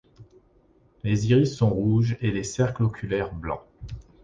Les iris sont rouges et les cercles oculaires blancs.